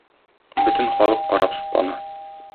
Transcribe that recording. Бөтен халык карап соклана.